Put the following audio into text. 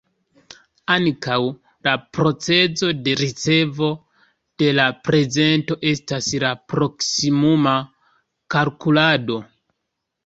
Ankaŭ la procezo de ricevo de la prezento estas la "proksimuma kalkulado".